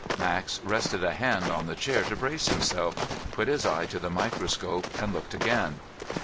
Max rested a hand on the table to brace himself, put his eye to the microscope, and looked again.